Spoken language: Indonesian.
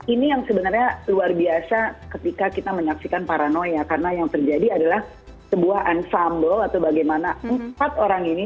ini yang sebenarnya luar biasa ketika kita menyaksikan paranoia karena yang terjadi adalah sebuah ensamble atau bagaimana empat orang ini